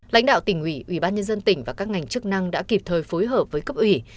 lãnh đạo tỉnh ủy ủy ban nhân dân tỉnh và các ngành chức năng đã kịp thời phối hợp với cấp ủy